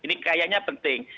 ini kayaknya penting